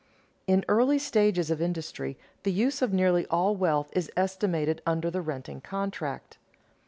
_In early stages of industry the use of nearly all wealth is estimated under the renting contract.